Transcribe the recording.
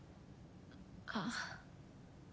あっ。